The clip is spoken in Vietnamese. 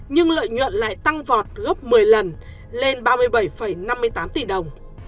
nhưng lợi nhuận lại tăng vọt gấp một mươi lần lên ba mươi bảy năm mươi tám tỷ đồng